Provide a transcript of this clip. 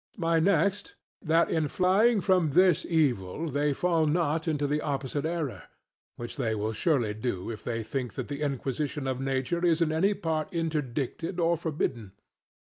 My next, that in flying from this evil they fall not into the opposite error, which they will surely do if they think that the inquisition of nature is in any part interdicted or forbidden.